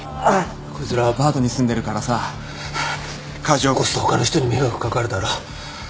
こいつらアパートに住んでるからさ火事起こすと他の人に迷惑かかるだろ。